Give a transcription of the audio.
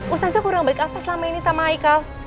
ustazah kurang baik apa selama ini sama heikal